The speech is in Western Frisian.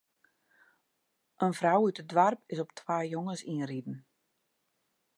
In frou út it doarp is op twa jonges ynriden.